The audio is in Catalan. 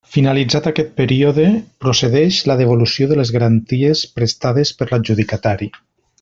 Finalitzat aquest període, procedeix la devolució de les garanties prestades per l'adjudicatari.